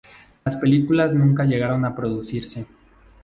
Las películas nunca llegaron a producirse.